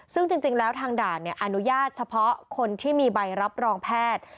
ซึ่งจริงแล้วทางด่านอนุญาตเฉพาะคนที่มีใบรับรองแพทย์